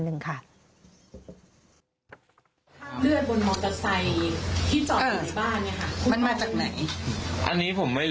มึงอยากให้ผู้ห่างติดคุกหรอ